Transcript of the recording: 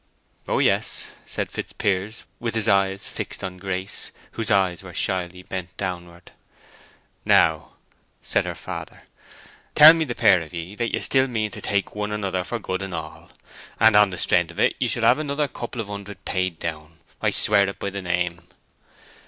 "Oh yes," said Fitzpiers, with his eyes fixed on Grace, whose eyes were shyly bent downward. "Now," said her father, "tell me, the pair of ye, that you still mean to take one another for good and all; and on the strength o't you shall have another couple of hundred paid down. I swear it by the name."